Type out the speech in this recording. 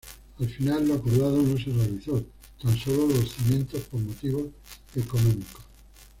Al final lo acordado no se realizó, tan sólo los cimientos, por motivos económicos.